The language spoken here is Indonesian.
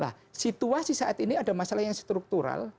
nah situasi saat ini ada masalah yang struktural